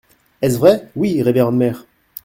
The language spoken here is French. Est-ce vrai ? Oui, révérende mère.